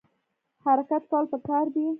حرکت کول پکار دي